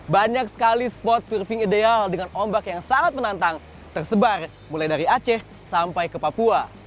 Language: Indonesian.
banyak sekali spot surfing ideal dengan ombak yang sangat menantang tersebar mulai dari aceh sampai ke papua